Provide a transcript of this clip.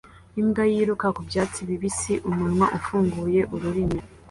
Imbwa yiruka ku byatsi bibisi umunwa ufunguye ururimi